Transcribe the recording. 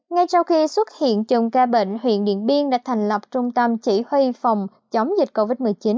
ngay sau khi xuất hiện chồng ca bệnh huyện điện biên đã thành lập trung tâm chỉ huy phòng chống dịch covid một mươi chín